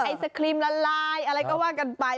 ไอศครีมละลายอะไรก็ว่ากันไป